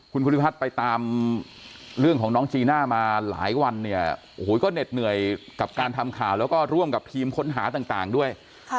คุณภูริพัฒน์ไปตามเรื่องของน้องจีน่ามาหลายวันเนี่ยโอ้โหก็เหน็ดเหนื่อยกับการทำข่าวแล้วก็ร่วมกับทีมค้นหาต่างด้วย